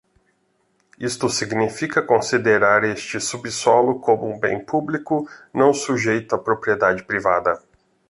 Isto significa considerar este subsolo como um bem público não sujeito à propriedade privada.